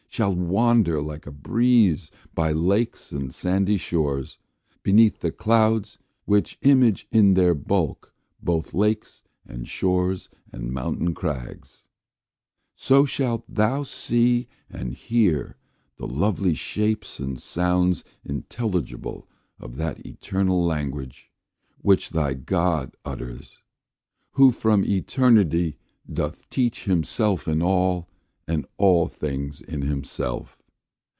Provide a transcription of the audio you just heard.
shalt wander like a breeze By lakes and sandy shores, beneath the clouds, Which image in their bulk both lakes and shores And mountain crags: so shalt thou see and hear The lovely shapes and sounds intelligible Of that eternal language, which thy God Utters, who from eternity, doth teach Himself in all, and all things in himself.